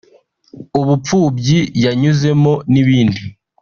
ubupfubyi yanyuzemo n’ibindi